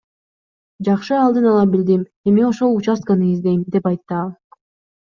Жакшы алдын ала билдим, эми ошол участканы издейм, — деп айтты ал.